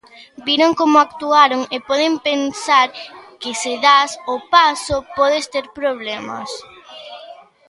Viron como actuaron e poden pensar que se das o paso, podes ter problemas.